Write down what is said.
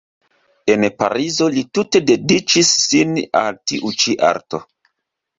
En Parizo li tute dediĉis sin al tiu ĉi arto.